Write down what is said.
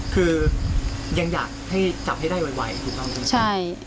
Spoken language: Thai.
คือยังอยากจับให้ได้ไว